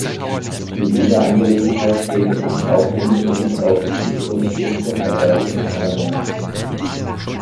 In dieser Angelegenheit zähle ich auch unbedingt auf die Unterstützung von Seiten des Parlaments.